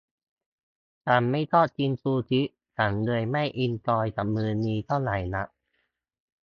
ฉันไม่ชอบกินซูชิ ฉันเลยไม่เอนจอยกับมื้อนี้เท่าไหร่หนัก